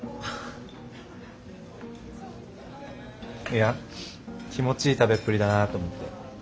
いや気持ちいい食べっぷりだなと思って。